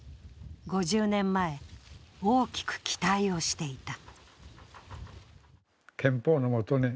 ５０年前、大きく期待をしていた。